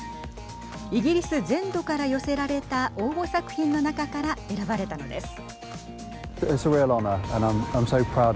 イギリス全土から寄せられた応募作品の中から選ばれたのです。